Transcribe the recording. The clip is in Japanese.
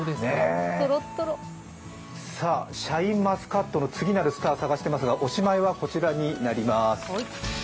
シャインマスカットの次なるスター探してますがおしまいはこちらになります。